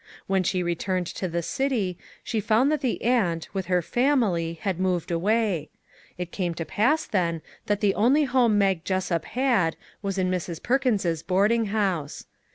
When she returned to the city, she found that the aunt, with her family, had moved away. It came to pass, then, that the only home Mag Jessup had, was in Mrs. Perkins's boarding house.